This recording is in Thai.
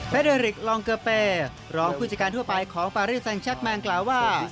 เดอริกลองเกอร์เปรองผู้จัดการทั่วไปของปารีสแซงชักแมงกล่าวว่า